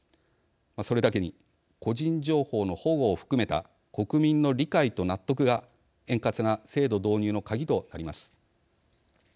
それだけに個人情報の保護を含めた国民の理解と納得が円滑な制度導入の鍵となります。